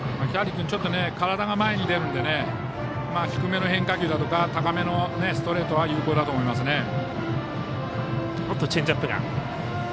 キャリー君ちょっと体が前に出るので低めの変化球だとか高めのストレートは有効だと思いますね。